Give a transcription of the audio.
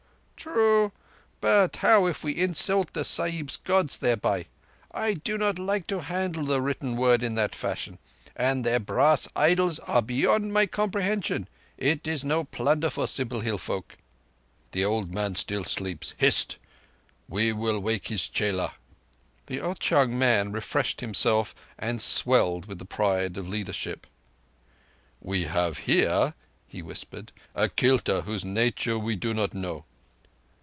"True! But how if we insult the Sahibs' Gods thereby! I do not like to handle the Written Word in that fashion. And their brass idols are beyond my comprehension. It is no plunder for simple hill folk." "The old man still sleeps. Hst! We will ask his chela." The Ao chung man refreshed himself, and swelled with pride of leadership. "We have here," he whispered, "a kilta whose nature we do not know."